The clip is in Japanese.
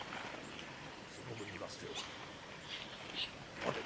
その分には捨ておかん。